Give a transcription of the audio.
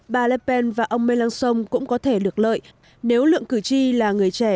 bà le pen và ông melenchon cũng có thể được lợi nếu lượng cử tri là người trẻ